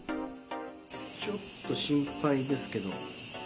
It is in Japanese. ちょっと、心配ですけど。